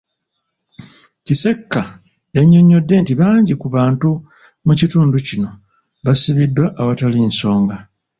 Kisekka yannyonnyodde nti bangi ku bantu mu kitundu kino basibiddwa awatali nsonga.